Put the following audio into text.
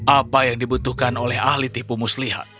apa yang dibutuhkan oleh ahli tipu muslihat